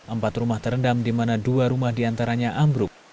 empat rumah terendam di mana dua rumah diantaranya ambruk